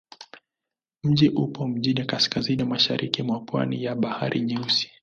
Mji upo mjini kaskazini-mashariki mwa pwani ya Bahari Nyeusi.